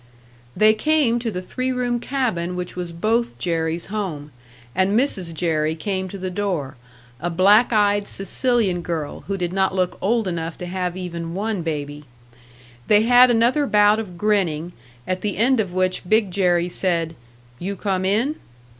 They came to the three room cabin which was Both Jerrys' home; and Mrs. Jerry came to the door, a black eyed Sicilian girl, who did not look old enough to have even one baby. They had another bout of grinning, at the end of which Big Jerry said, "You come in?"